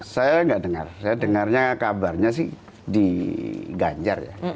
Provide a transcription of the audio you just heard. saya nggak dengar saya dengarnya kabarnya sih di ganjar ya